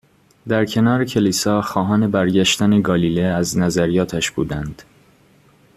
در کنار کلیسا، خواهان برگشتن گالیه از نظریاتش بودند.